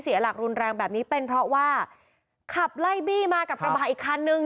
เสียหลักรุนแรงแบบนี้เป็นเพราะว่าขับไล่บี้มากับกระบะอีกคันนึง